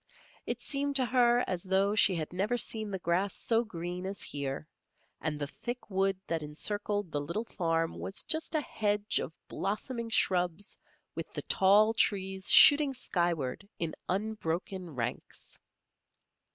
It seemed to her as though she had never seen the grass so green as here, and the thick wood that encircled the little farm was just a hedge of blossoming shrubs with the tall trees shooting skyward in unbroken ranks.